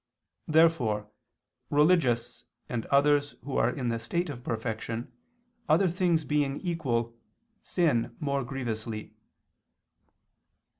Therefore religious and others who are in the state of perfection, other things being equal, sin more grievously.